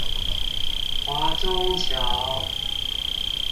華中橋